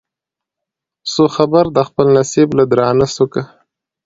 سو خبر د خپل نصیب له درانه سوکه